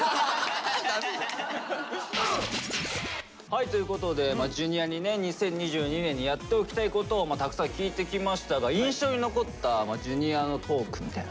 はいということでＪｒ．にね「２０２２年にやっておきたいこと」をたくさん聞いてきましたが印象に残ったＪｒ．のトークってあります？